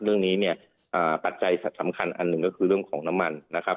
เรื่องนี้เนี่ยปัจจัยสำคัญอันหนึ่งก็คือเรื่องของน้ำมันนะครับ